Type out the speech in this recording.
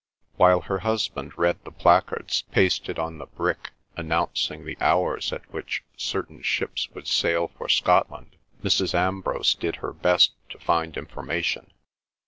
While her husband read the placards pasted on the brick announcing the hours at which certain ships would sail for Scotland, Mrs. Ambrose did her best to find information.